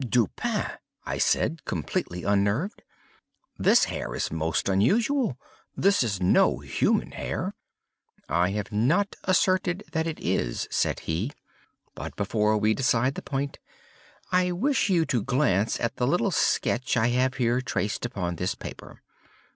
"Dupin!" I said, completely unnerved; "this hair is most unusual—this is no human hair." "I have not asserted that it is," said he; "but, before we decide this point, I wish you to glance at the little sketch I have here traced upon this paper.